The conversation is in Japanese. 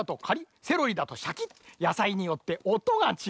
セロリだと「しゃきっ」やさいによっておとがちがう。